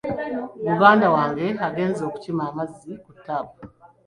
Muganda wange agenze kukima mazzi ku ttaapu.